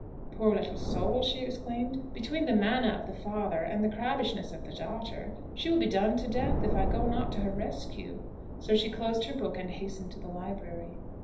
"Poor little soul!" she exclaimed; "between the manna of the father, and the crabbishness of the daughter, she will be done to death if I go not to her rescue." So she closed her book and hastened to the library.